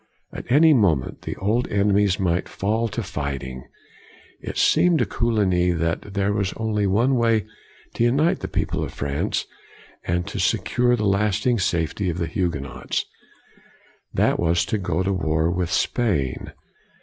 At any moment, the old enemies might fall to fighting. It seemed to Coligny that there was only one way to unite the people of France, and to secure the lasting safety of the Hugue nots. That was to go to war with Spain.